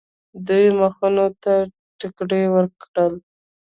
دوی مخونو ته ټکرې ورکړل.